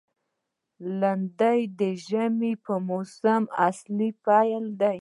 لېندۍ د ژمي د موسم اصلي پیل دی.